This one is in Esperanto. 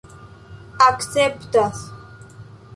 akceptas